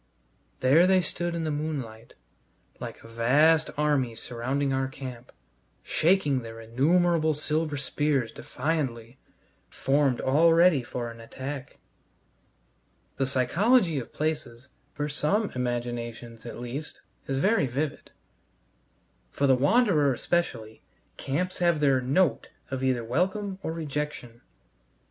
There they stood in the moonlight, like a vast army surrounding our camp, shaking their innumerable silver spears defiantly, formed all ready for an attack. The psychology of places, for some imaginations at least, is very vivid; for the wanderer, especially, camps have their "note" either of welcome or rejection.